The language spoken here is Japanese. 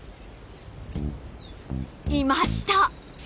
いました！